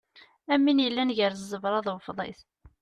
Am win yellan gar ẓẓebra d ufḍis.